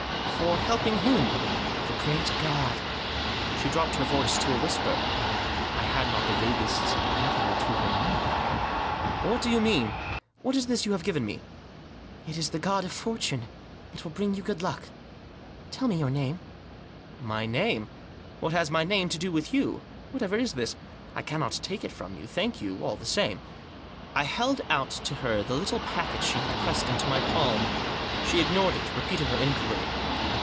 " For helping whom ?"" The Great God." She dropped her voice to a whisper. I had not the vaguest inkling of her meaning. " What do you mean ?— What is this you have given me?" " It is the God of Fortune ; it will bring you good luck. Tell me your name." u My name ? What has my name to do with you ? Whatever is this? I cannot take it from you ; thank you all the same." I held out to her the little packet she had pressed into my palm. She ignored it ; repeating her inquiry.